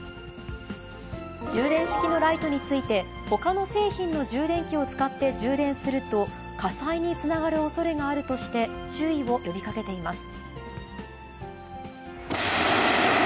充電式のライトについて、ほかの製品の充電器を使って充電すると、火災につながるおそれがあるとして、注意を呼びかけています。